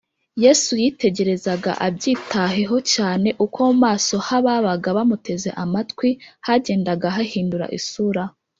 yesu yitegerezaga abyitaheho cyane uko mu maso h’ababaga bamuteze amatwi hagendaga hahindura isura